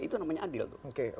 itu namanya adil tuh